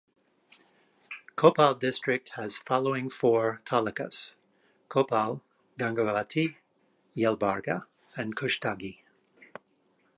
Koppal district has following four talukas: Koppal, Gangavathi, Yelbarga, and Kushtagi.